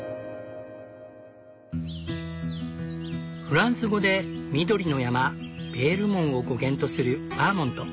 フランス語で「緑の山」ヴェールモンを語源とするバーモント。